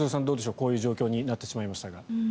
どうでしょうこういう状況になってしまいましたが。